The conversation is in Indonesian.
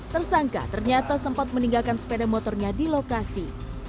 tersangka ternyata sempat meninggalkan sepeda motornya di lokasi